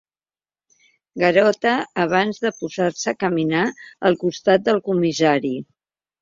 Garota abans de posar-se a caminar al costat del comissari.